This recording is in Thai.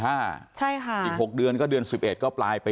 ใช่ค่ะอีก๖เดือนก็เดือน๑๑ก็ปลายปี